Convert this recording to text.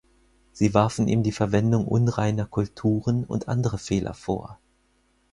Sie warfen ihm die Verwendung unreiner Kulturen und andere Fehler vor.